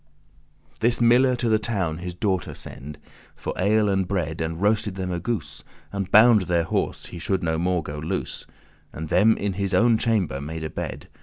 This miller to the town his daughter send For ale and bread, and roasted them a goose, And bound their horse, he should no more go loose: And them in his own chamber made a bed.